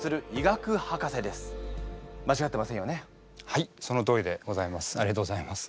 はいそのとおりでございます。